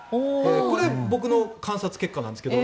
これ僕の観察結果なんですけど。